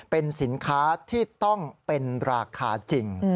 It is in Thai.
เป็นสินค้าที่ต้องเป็นราคาจริง